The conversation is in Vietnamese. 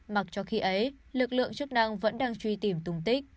mặc cho khi ấy lực lượng chức năng vẫn đang truy tìm tung tích